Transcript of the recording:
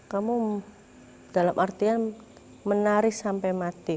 kamu dalam artian menari sampai mati